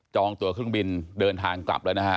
องตัวเครื่องบินเดินทางกลับแล้วนะฮะ